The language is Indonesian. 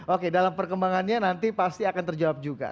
oke dalam perkembangannya nanti pasti akan terjawab juga